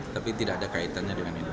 tapi tidak ada kaitannya dengan ini